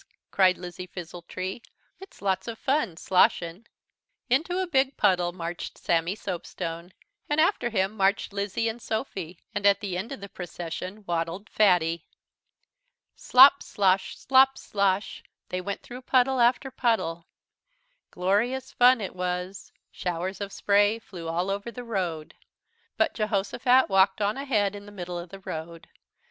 cried Lizzie Fizzletree, "it's lots of fun, sloshin'." Into a big puddle marched Sammy Soapstone, and after him marched Lizzie and Sophy, and at the end of the procession waddled Fatty. "Slop, slosh, slop, slosh," they went through puddle after puddle. Glorious fun it was. Showers of spray flew all over the road. But Jehosophat walked on ahead in the middle of the road.